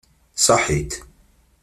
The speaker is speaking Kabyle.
Ṣaḥit.